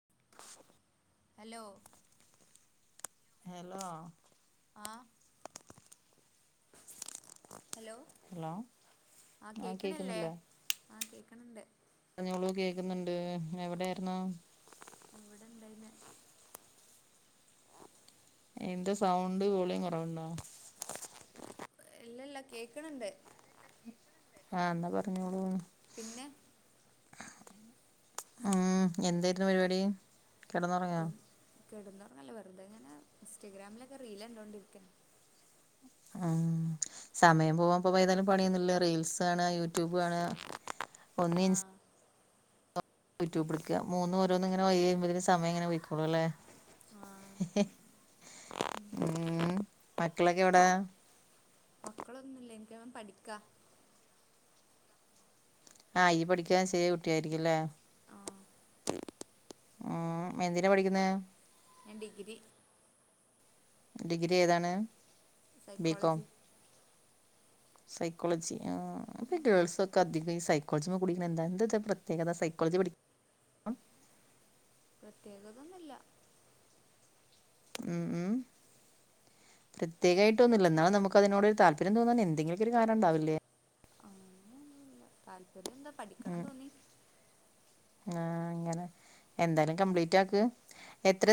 [inaudible] Hello? Hello? അ hello hello ആ കേക്കണല്ലേ? ആ കേക്കണണ്ട്. പറഞ്ഞോളൂ കേക്കുന്നുണ്ട് എവിടെയായിന്നു. എവിടെണ്ടായിന്ന് എന്റെ സൗണ്ട് ഒളിയും കുറവുണ്ടോ? ഇല്ല ഇല്ല കേക്കണണ്ട്. ആഹ എന്നാ പറഞ്ഞോളൂ. പിന്നെ ഉം എന്തായിരുന്നു പരിപാടി കിടന്നുറങ്ങാ. കെടുന്നോറഞ്ഞല്ല വെറുതെങ്ങെ ഇൻസ്റ്റാഗ്രാമിലൊക്കെ റില് കണ്ടോണ്ടിരിക്കെ. ഉം സമയം പോവാൻ പ ഏതാലും പണിയൊന്നുംല്ല. റീൽസ് ആണ് യൂട്യൂബ് ആണ്. ആ ഒനിൻസ് യൂട്യൂബ എടുക്ക മൂന്ന്ോരോന്ന് ഇങ്ങനെ വൈഴമ്പ്പതിന് സമംങ്ങനെ ഒഴിക്കളൂ അല്ലേ ആ ഉം മക്കളൊക്കെ എവിടൊ മക്കളൊന്നുമില്ല എനിക്കാ പഠിക്കാ ആഹ ഈ പഠിക്കാ ശെിറിയ കുട്ടിയ ആയിരിക്കോല്ലേ? ആ ഉം എന്തിനതിനാ പഠിക്കുന്നോ? ഞൻ ഡിഗ്രി ഡിഗ്രി ഏതാണ്? B Com psychology. സൈക്കോളജി ആ ഇപ്പൊ ഗേൾസ് ഒക്കെ അധികം ഈ സൈക്കോളജി കുടിക എന്താ എ പ്രത്യേകത. കോളേജിപഠി പ്രത്യേകതൊന്നുമില്ല. ഉം ഉ പ്രത്യേകമായിട്ട് ഒന്നുമില്ല എന്നാലും നമുക്ക് അതിനോ ഒരു താല്പര്യം തോന്നാൻ എന്തെങ്കിലൊക്ക ഒരു കാരണം ഉണ്ടാവില്ലേ? അങ്ങനെനുല്ല താല്പര്യം എന്താ പഠിക്കണം തോന്നി. ആഹ ഇങ്ങനെ എന്തായാലും കംപ്ലീറ്റ് ആക്ക്.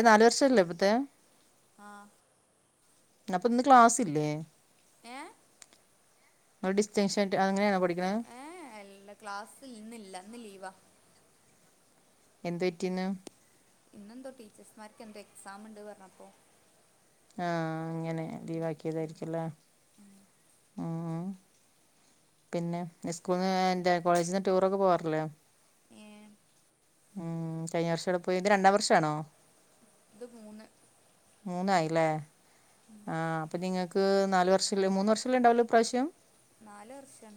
ആ നാല് വർഷല്ലോ ഇപ്പത്തെ? ആ അപ്പൊ ഇന്ന് ക്ലാസ്ല്ലേ? ഏ ഡിസ്റ്റൻഷൻ് അങ്ങനെയ പഠിക്ക ഏ എല്ല ക്ലാസ് ഇന്നില്ല ഇന്ന് ലീവാ എന്ത് പറ്റിന്ന്. ഇന്നെന്തോ ടീച്ചേഴ്സ്മാർക്ക് എന്തോ എക്സാം ഉണ്ട് പറഞ്ഞപ്പോ. ആഹ അങ്ങനെ ലീവ് ആക്കിയതായിരിക്കല്ലേ? പിന്നെ സ്കൂളന്ന് എ കോളേജിൽന്ന് ടൂർൊക്കെ പോവാറില്ലോ? ഉം കഴിഞ്ഞ വർഷംഎവിടെ പോയി ഇത് രണ്ടാം വർഷ ആണോ? ഇത് മൂന്ന്. മൂന്നായില്ലേ ആഹ അപ്പൊ നിങ്ങക്ക് നാലു വർഷ മൂന്ന് വർഷല്ല ഉണ്ടാവല്ലോ പ്രാവശ്യം നാല് വർഷം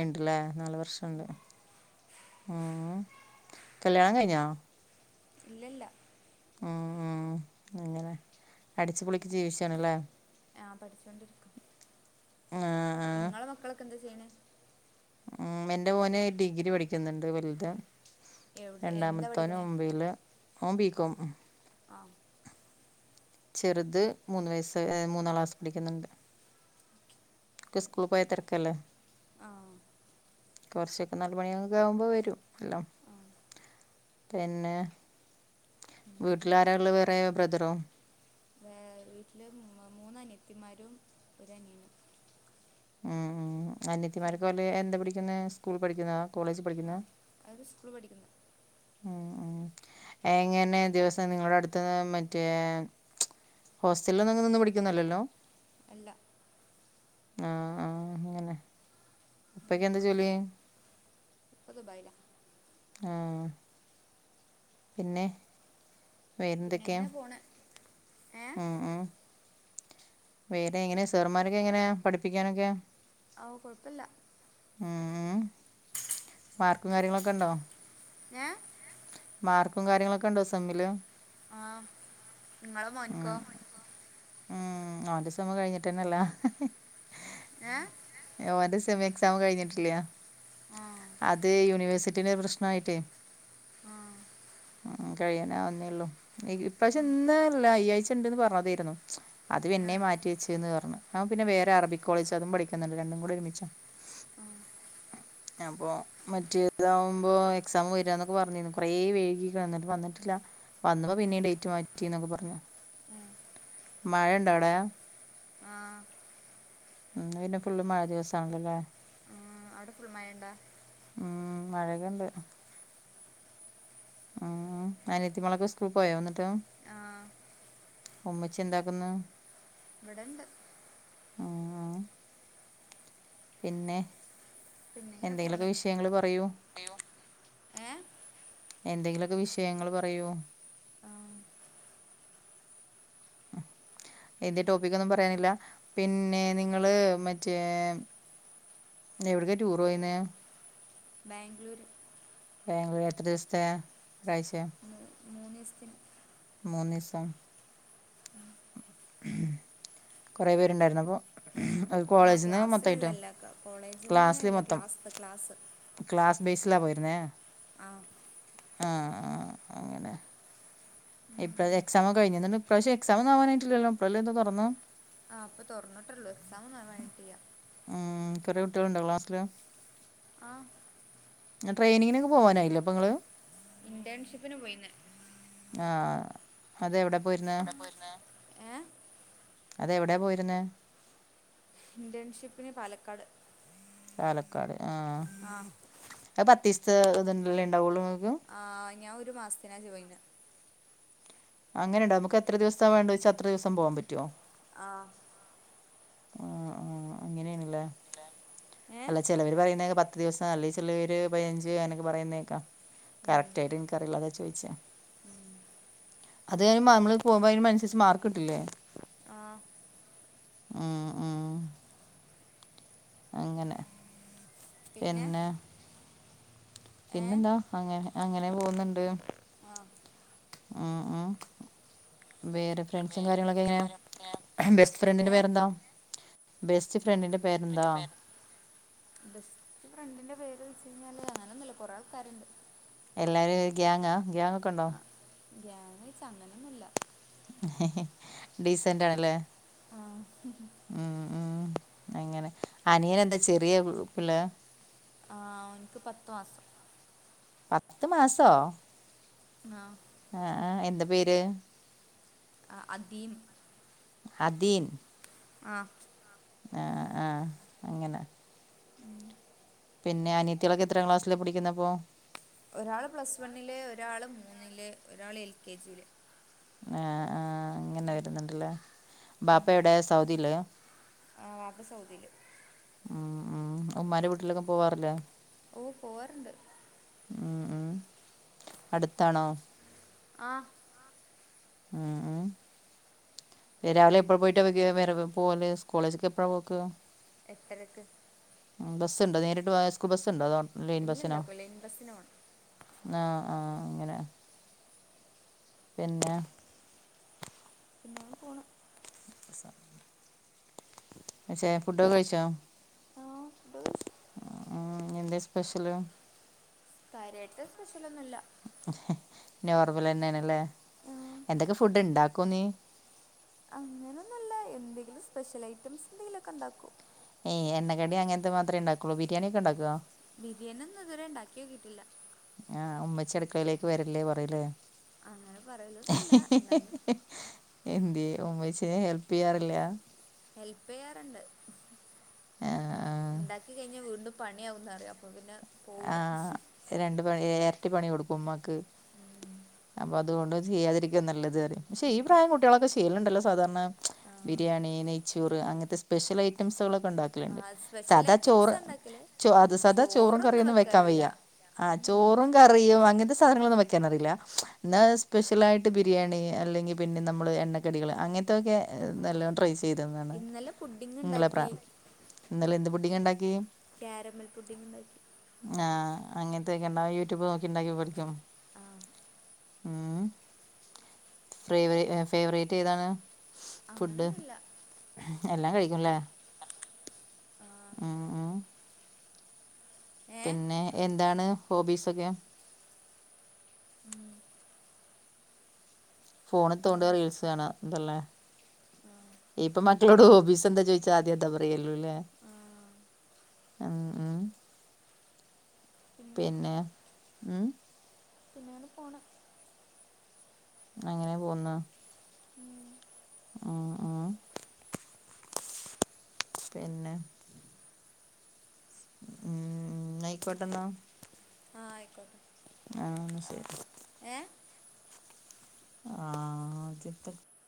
ഉണ്ടല്ലേ നാല വർഷമുണ്ട് ഉം കല്യാണ കഴിഞ്ഞോ ഇല്ലല്ല ഉ അങ്ങനെ അടിച്ചുപൊളിക്ക് ജീവിച്ചാണ്ല്ലേ ആ് പഠിച്ചൊണ്ടിരിക്കും ആ, ആ. നിങ്ങളെ മക്കളൊക്കെ എന്താ ചെയ്യണ ഉ എന്റെ മോനെ ഡിഗ്രി പഠിക്കുന്നുണ്ട് വലുത എവിടെ എന്താ രണ്ടാമത്തവന് പഠിക്കണേ മുമ്പയില് ഓ ബികോം ആ ചെറുത് മൂന്ന് വയസ്സ് മൂന്നാള് ആസ് പിടിക്കുന്നുണ്ട് കുക്ക സ്കൂൾ പോയ തരക്കല്ല ആ കുറച്ചൊക്കെ നാല മണിെ ആകുമ്പോ വരും എല്ലാം ആ പിന്നെ എന്താ വീട്ടിലാരള്ള വേറെ ബ്രദറോ വീട്ടില് മൂന്ന അനിയത്തിമാരും ഒരു അനിയനും ഉം ഉ അനയത്തിമാർക്കലെ എന്താ പഠിക്കുന്ന സ്കൂൾ പഠിക്കുന്നാ കോളേജ് പഠിക്കുന്നാ സ്കൂൾ പഠിക്കുന്നു ഉ ഉ എങ്ങനെ ദിവസം നിങ്ങളുടെ അടുത്തന്ന് മറ്റേ ഹോസ്റ്റലിൽ ഒന്നും നിന്ന് പിടിക്കുന്നല്ലല്ലോ അല്ല ആ ആഹ അങ്ങനെ ഇപ്പക്ക എന്താ ജോലി ഇപ്പത്പൈല ആഹ പിന്നെ പിന്നെ എങ്ങനെ പോണ ആഹ ഉഹ വേറെ എങ്ങനാ സെറുമാരൊക്കെ എങ്ങനെയാ പഠിപ്പിക്കാനൊക്കെ ഓ കൊഴപ്പില്ല ഉ പാർക്കും കാര്യങ്ങളൊക്കെ ഉണ്ടോ ഏഹ മാർക്കും കാര്യങ്ങളൊക്കെ ഉണ്ടോ സെമ്മില് ആഹ നിങ്ങളെ മോനിക്കോ ഉം അവന്റെസമം കഴിഞ്ഞിട്ടന്നെല്ലാ ഏ ഓന്റെ സെമി എക്സാം കഴിഞ്ഞിട്ടില്ല ആ അത് യൂണിവേഴ്സിറ്റി പട്ടെ പ്രശ്നായിട്ടേ ആഹ ഉ കഴിയാന ഒന്നേള്ളൂ ഇപ്രാവശ്യം ഇന്നല്ല അയ്യഴ്ച്ച ഉണ്ട്ന്ന് പറഞ്ഞതായിരുന്നു അത്ും ആ, എന്നെ മാറ്റിവെച്ചെന്ന് പറഞ്ഞു പിന്നെ വേറെ അറബിക് കോളേജ് അും പഠിക്ക രണ്ടും കൂടെ ഒരുമിച്ചോ ആ, [inaudible] അപ്പോൾ മറ്റേതാകുമ്പോൾ എക്സാം വര എന്നൊക്കെ പറഞ്ഞിരുന്നു കുറേ പേഴുകി എന്നിട്ട് വന്നിട്ടില്ല വന്നപ്പോ പിന്നീ ഡേറ്റ് മാറ്റി എന്നൊക്കെ പറഞ്ഞ ഉം മഴേ ണ്ടാവിടെ ആ, ഉ പിന്നെ ഫുള്ള് മഴ ദിവസ ആണല്ലല്ലേ ഉം, അവിടെ ഫുൾ മയണ്ടാ ഉം മഴകണ്ട് ഉം അനിയത്തിമളക്കെ സ്കൂൾ പോയ വന്നിട്ട് ആ ഉമ്മച്ചി എന്താക്കുന്നു? ഇവഡെണ്ട്. പിന്നെ പിന്നെ ഇങ്ങനെ എന്തെങ്കിലൊക്കെ പോണ് വിഷയങ്ങൾ പറയൂ? ഏ എന്തെങ്കിലുമൊക്കെ വിഷയങ്ങൾ പറയൂ? ആ, ഏതേ ടോപ്പിക്കൊന്നും പറയാനില്ല, പിന്നെ നിങ്ങള് മറ്റേ എവ്ട്ക്ക ടൂർ പോയിന്നേ? ബാംഗ്ളൂര്. ബാംഗ്ലൂർ എത്ര ദിവസത്തെ? ഒരാഴ്ചയോ മൂ, മൂന്ന് ദിവസത്തിന്. മൂന്നീസം? കുറെേ പേരുണ്ടായിരുന്നോ പ്പോ? ആഹ ക്ലാസ്സിലള്ളല്ലക്ക, കോളേജിൽ ന്ന ക്ലാസ്സിൽ ല്ല ക്ലാസ് ക്ലാസ്സ് സിലാ പോയിരുന്നേ? ആഹ. ആ, ആ അങ്ങനെ. പക്ഷെ എക്സാമൊന്നും നാവാനായിട്ടില്ലല്ലോ പ്പഴല്ലേ പ്പൊ തുറന്നേ? ആഹ പ്പൊ തൊറന്നിട്ടൊള്ളൂ, എക്സാമൊന്നും ആ വനായിട്ടില്ല. ട്ടണ്ടോ ക്ലാസ്സില്? ആഹ. ട്രയിനിങ്ങിന് ഒക്കെ പോവാനായില്ലേ പ്പൊ ങ്ങള്? ഇന്റേൺഷിപ്പിന് പോയിന്ന്. ആഹ അതെവിടെ പോയിരുന്നെ? എവിടെ പോയിരുന്നേ ഏ അതെവിടെ പോയി ന്നേ? ഇന്റേൺഷിപ്പിന് പാലക്കാട്. പാലക്കാട് ആഹ ആ അ പതീസത്തെ തല്ലേ ണ്ടാവുള്ളൂ? ആഹ, ഞാ ഒരു മാസത്തിനാ ജോയിന്. അങ്ങനെണ്ടോ, നമുക്കെത്ര ദിവസാ വേണ്ട ച്ചാ അത്രദിവസം പോവാ പറ്റോ? ആഹ. ആ, ആ അങ്ങനെയാണ്ല്ലേ? ഇല്ലേ അല്ല ഏ ചെലവര് പറയുന്നതേക്ക പത്ത് ദിവസ, അല്ലേ ചെലവര് പയിനഞ്ച് അ നൊക്കെ പറയുന്നേക്കാ കറക്റ്റാ യിട്ട് ൻക്കറീല്ലാതാ ചോയിചേ? അത് പറീമ്പോ നമ്മള് പോകുമ്പോ അതിന നുസരിച്ച് മാർക്ക് കിട്ടില്ലേ? ആഹ. ആ, ആ. അങ്ങനെ, പിന്നെ? ഏ പിന്നെന്താ അങ്ങനെ, അങ്ങനെ പോകുന്നുണ്ട്. ആ ഉം, ഉം. വേറെ ഫ്രണ്ട്സും കാര്യങ്ങളൊക്കെ എങ്ങനെ? വേറെ ബെസ്റ്റ് ഫ്രണ്ടിന്റെ ഏ പേരെന്താ? ബെസ്റ്റ്ഫ്ര ഫ്രണ്ടിന്റെ പേരെന്താ? നിന്റെ പേര് ബെസ്റ്റ് ഫ്രണ്ടിന്റെ പേര് വെച്ചയിഞ്ഞാല്, അങ്ങനെ ഒന്നുല്ല കുറെ ആൾക്കാര്ണ്ട്. എല്ലാരും ഗ്യാങ്ങാ, ഗ്യാങ്ങൊക്കെ ണ്ടോ? ആ ഗ്യാങ് ച്ച അങ്ങനൊന്നൂല്ല. ഹെ, ഹെ ഡീസന്റാണല്ലേ? ആഹ, ഹ്, ഹ്. അങ്ങനെ അനിയനെന്താ ചെറിയ പിള്ളയാ? ആഹ, ഓന്ക്ക് പത്തു മാസം. പത്ത് മാസോ! ആ ആഹ എന്താ പേര്? അ അദീം. അദീം? ആഹ. ആ ആ അങ്ങനെ. ഉം പിന്നെ അനിയത്തികളൊക്കെ എത്രാം ക്ലാസ്സിലാ പഠിക്കുന്നപ്പോ? ഒരാള് പ്ലസ് വണ്ണില് ഒരാള് മൂന്നില് ഒരാള് എൽ കെ ജിയില്. ആ ആ അങ്ങനെ വരുന്നുണ്ടല്ലേ ബാപ്പ എടെ സൗദിയില്? ആ വാപ്പ സൗദീല്. ഉം ഉമ്മാന്റെ വീട്ടിലൊക്കെ പോവാറില്ലേ? ഓ പോവാറുണ്ട്. ഉം ഉം അടുത്താണോ? ആ ഉം ഉം രാവിലെ എപ്പഴാ പോയിട്ടാവക്ക വരവ് പോവല് കോളേജക്ക് എപ്പഴാ പോക്ക്? എട്ടരക്ക്. ബസ്സൊണ്ടോ നേരിട്ട് പോയാസ്കൂ ബസ്സൊണ്ടോ അതോ? ലൈൻ ഇല്ലില്ല ബസ്സിനോ ക്ക് ലൈൻ ബസ്സിനുപോണം. ആ ആ അങ്ങനെ പിന്നെ പിന്നെങ്ങനെ പോണു. ക്ഷേ ഫുഡൊക്കെ കഴിച്ചോ? ആ ഫുഡ്കയിച്ചു. ഉം എന്ത സ്പെഷ്യല്? കാര്യമായിട്ട് സ്പെഷ്യലൊന്നുല്ല. നോർമല് തന്നെണല്ലേ എന്തൊക്കെ ഫുഡ് ഇണ്ടാക്ക ക്കുന്നെ? അങ്ങനൊന്വില്ല എന്തെങ്കിലും സ്പെഷ്യൽ ഐറ്റംസ് എന്തെങ്കിലുവൊക്കെ ഒണ്ടാക്കും. ഈ എണ്ണക്കടി അങ്ങനത്തെ മാത്രേ ഇണ്ടാക്കുള്ളൂ ബിരിയാണിയൊക്കെ ഉണ്ടാക്കുവോ? ബിരിയാണി ഒന്നും ഇതുവരെ ഉണ്ടാക്കിയോക്കിട്ടില്ല. ആ ഉമ്മച്ചിയടുക്കളയിലേക്ക് വരല്ലേ പറയുവല്ലേ. അങ്ങനെ പറയലതില്ല എന്നാലും എന്തേ ഉമ്മച്ചിനെ ഹെൽപ് ചെയ്യാറില്ല? ഹെല്പ് ചെയ്യാറുണ്ട്, ആഹ് ആഹ് ഉണ്ടാക്കി കഴിഞ്ഞാ വീണ്ടും പണിയാവുന്നറിയാം അപ്പോ പിന്നെ ആ പോവില്ല രണ്ട് പണി എരട്ടി പണി കൊടുക്കും ഉമ്മാക്ക് അപ്പൊ അതുകൊണ്ട് ചെയ്യാതിരിക്കുക നല്ലത് പറയും പക്ഷെ ഈ പ്രായം കുട്ടികളൊക്കെ ചെയ്യലുണ്ടല്ലോ സാധാരണ, ആ ബിരിയാണി നെയ്ച്ച ചോറ് അങ്ങനത്തെ സ്പെഷ്യൽ ഐറ്റംസുകളൊക്കെ. ആ ഉണ്ടാക്കിയൊണ്ട് സ്പെഷ്യൽ സാദാ ഐറ്റംസ് ചോറ് ഉണ്ടാക്കല് ച സാദാ ചോറും ചോറൊന്നും കറിയൊന്നും വെക്കാൻ വെക്കാറില്ല വയ്യ ആ ഉം. ചോറും കറിയും അങ്ങനത്തെ സാധനങ്ങളൊന്നും വയ്ക്കാനറിയില്ല ന്നെ സ്പെഷ്യലായിട്ട് ബിരിയാണി അല്ലെങ്കിൽ പിന്നെ നമ്മള് എണ്ണക്കടികൾ അങ്ങന നൊക്കെ നല്ല ഞാൻ ട്രൈ ചെയ്തന്നാണ്. ഇന്നലെ പുഡിങ് ഉണ്ടാക്കി ഇന്നലെ എന്റെ പുഡിങ് ഒണ്ടാക്കി കാരമൽ പുഡിങ് ഉണ്ടാക്കി. ആ അങ്ങനത്തെക്കെ ഇണ്ട ആ യൂട്യൂബ് നോക്കി ഉണ്ടാക്കി പഠിക്കും. ആ ഉ ഫേവർ ഫേവറേറ്റ് ഏതാണ്? ഫുഡ്? അങ്ങനൊന്നുല്ല എല്ലാം കഴിക്കുംല്ലേ ആഹ് ഉം ഉം ഏഹ് പിന്നെ എന്താണ് ഹോബീസൊക്കെ? ഉം ഫോണിത്തോണ്ടുക പിന്നെ റീൽസ് കാണുക ഇതല്ലേ? ആഹ് ഇപ്പൊ മക്കളോട് ഹോബീസ് എന്താ ചോയിച്ചാ ആദ്യം എന്താ പറയല്ലൂല്ലേ. ആഹ് ആ ആ പിന്നെ ഉം പിന്നാന പോണ്. അങ്ങനെ പോന്ന ഉം ആ ആ പിന്നെ ഉം നയിക്കോട്ടെന്ന ആ ആയിക്കോട്ടെ. ആ ശരി. ഏ? ആ [unintelligible]